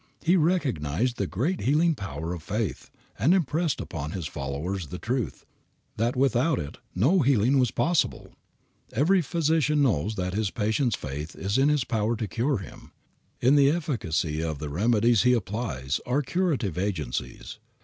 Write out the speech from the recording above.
He recognized the great healing power of faith, and impressed upon His followers the truth, that without it no healing was possible. Every physician knows that his patient's faith in his power to cure him, in the efficacy of the remedies he applies, are curative agencies.